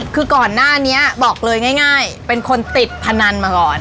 คือก่อนหน้านี้บอกเลยง่ายเป็นคนติดพนันมาก่อน